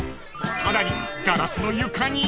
［さらに］